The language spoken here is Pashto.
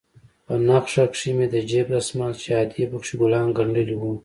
په نخښه کښې مې د جيب دسمال چې ادې پکښې ګلان گنډلي وو.